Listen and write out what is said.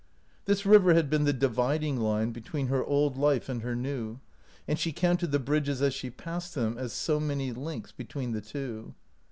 This river had been the dividing line between her old life and her new, and she counted the bridges as she passed them as so many links between the two.